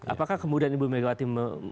apakah kemudian ibu megawati memberikan restu